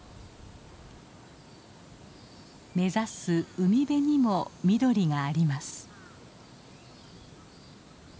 目指す海辺にも緑があります。